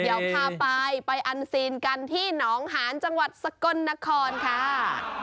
เดี๋ยวพาไปไปอันซีนกันที่หนองหานจังหวัดสกลนครค่ะ